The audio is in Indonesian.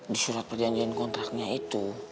di surat perjanjian kontraknya itu